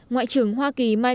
ngoại trưởng hoa kỳ michael